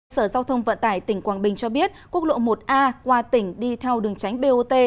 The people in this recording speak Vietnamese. sở giao thông vận tải tỉnh quảng bình cho biết quốc lộ một a qua tỉnh đi theo đường tránh bot